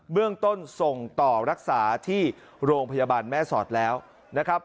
เรื่องต้นส่งต่อรักษาที่โรงพยาบาลแม่สอดแล้วนะครับ